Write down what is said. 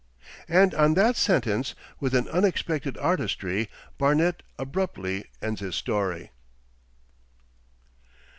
And on that sentence, with an unexpected artistry, Barnet abruptly ends his story.